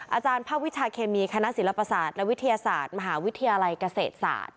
อาจารย์ภาควิชาเคมีคณะศิลปศาสตร์และวิทยาศาสตร์มหาวิทยาลัยเกษตรศาสตร์